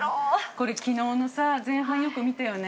これ昨日のさ前半よく見たよね